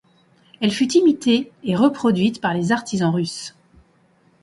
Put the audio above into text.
Elle fut imitée et reproduite par les artisans russes.